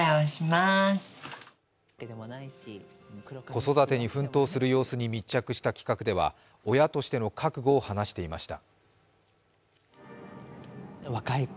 子育てに奮闘する様子に密着した企画では、親としての覚悟を話していました。